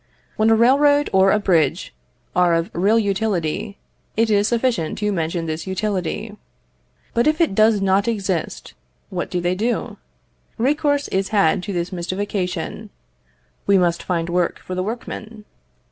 When a railroad or a bridge are of real utility, it is sufficient to mention this utility. But if it does not exist, what do they do? Recourse is had to this mystification: "We must find work for the workmen."